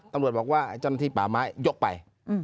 ตำรวจบอกว่าเจ้าหน้าที่ป่าไม้ยกไป